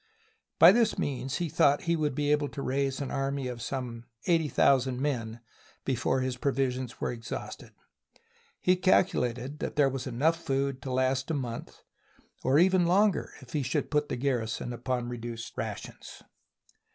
By this means he thought that he would be able to raise an army The Conqueror of Gaul SIEGE OF ALESIA of some eighty thousand men before his provisions were exhausted. He calculated that there was enough food to last a month, or even longer if he should put the garrison upon reduced rations.